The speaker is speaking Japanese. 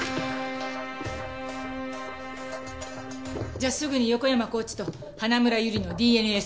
じゃあすぐに横山コーチと花村友梨のＤＮＡ採取。